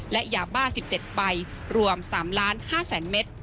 และยาบ้า๑๗ใบรวม๓๕๐๐๐เมตร